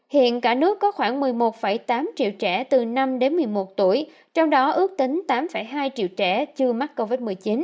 hiện cả nước có khoảng một mươi một tám triệu trẻ từ năm đến một mươi một tuổi trong đó ước tính tám hai triệu trẻ chưa mắc covid một mươi chín